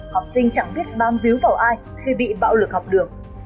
học sinh chẳng biết bám víu vào ai khi bị bạo lực học đường